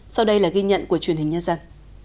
sau đây là ghi nhận của truyền hình nhân dân